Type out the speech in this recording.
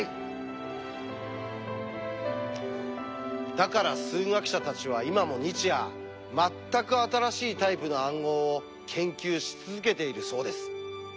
だから数学者たちは今も日夜全く新しいタイプの暗号を研究し続けているそうです。